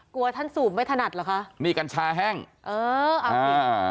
กลัวท่านสูบไม่ถนัดเหรอคะนี่กัญชาแห้งเอออ่า